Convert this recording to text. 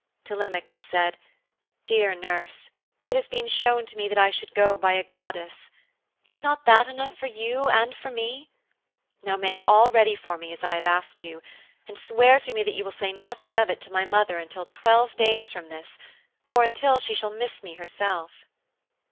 Telemachus said: 'Dear nurse, it has been shown to me that I should go by a goddess. Is not that enough for you and for me? Now make all ready for me as I have asked you, and swear to me that you will say nothing of it to my mother until twelve days from this, or until she shall miss me herself.'